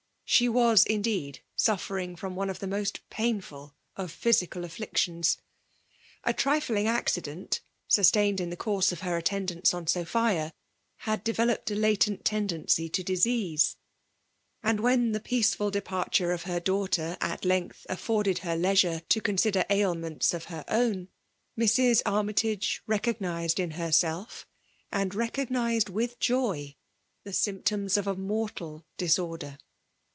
Sho was indeed sufferitig ficom one of the moat painful of physical afflictions, A trifling acd« dent, sustained in tiie course of her attendaiKse ina So{dua, had developed a latent tendency to disease ; and when the peacefid departure of her daughter at length affiirded her leisure to consider ailments of her own, Mrs. Army« tage recognized in herself, and recognised with joy, the symptoms of a mortal disorder.